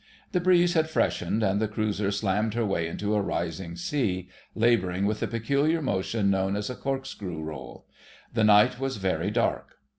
The breeze had freshened, and the cruiser slammed her way into a rising sea, labouring with the peculiar motion known as a "cork screw roll": the night was very dark.